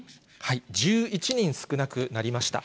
１１人少なくなりました。